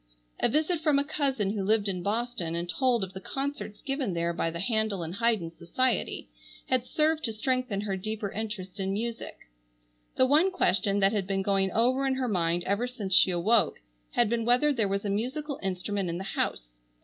A visit from a cousin who lived in Boston and told of the concerts given there by the Handel and Haydn Society had served to strengthen her deeper interest in music. The one question that had been going over in her mind ever since she awoke had been whether there was a musical instrument in the house.